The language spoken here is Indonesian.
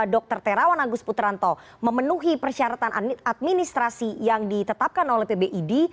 dr terawan agus putranto memenuhi persyaratan administrasi yang ditetapkan oleh pbid